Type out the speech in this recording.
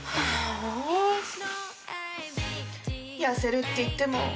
痩せるっていっても。